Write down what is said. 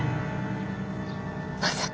まさか。